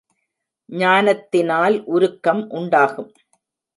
ஞானத்தினால் உருக்கம் உண்டாகும்.